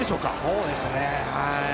そうですね。